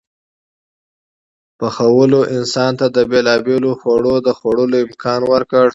پخولو انسان ته د بېلابېلو خوړو د خوړلو امکان ورکړ.